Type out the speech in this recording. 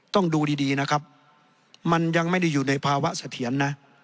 ต้องดูดีนะครับมันยังไม่ได้อยู่ในภาวะเสถียรนะ